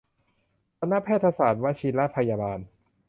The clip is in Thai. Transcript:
คณะแพทยศาสตร์วชิรพยาบาล